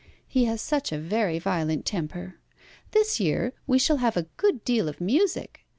He has such a very violent temper. This year we shall have a good deal of music.